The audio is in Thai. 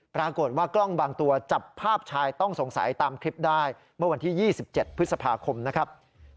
ปรากฏว่ากล้องบางตัวจับภาพชายต้องสงสัยตามคลิปได้เมื่อวันที่๒๗พฤษภาคมนะครับ